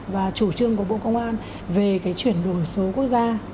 và chủ trương của bộ công an về cái chuyển đổi số quốc gia